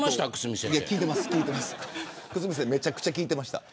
めちゃくちゃ聞いてました。